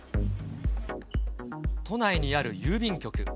都内にある郵便局。